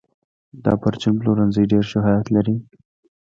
دا پرچون پلورنځی ډېر شهرت لري.